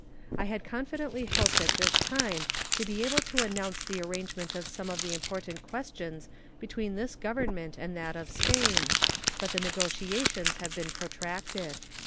I had confidently hoped at this time to be able to announce the arrangement of some of the important questions between this Government and that of Spain, but the negotiations have been protracted.